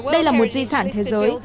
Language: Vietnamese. đây là một di sản thế giới